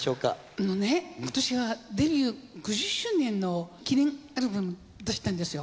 あのね今年はデビュー５０周年の記念アルバム出したんですよ。